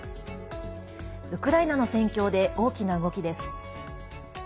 ウクライナの戦況で大きな動きです。